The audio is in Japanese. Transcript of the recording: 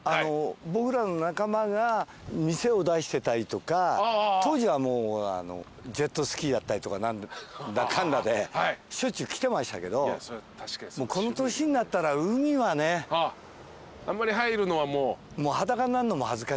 僕らの仲間が店を出してたりとか当時はもうジェットスキーだったりとか何だかんだでしょっちゅう来てましたけどこの年になったら海はね。あんまり入るのはもう。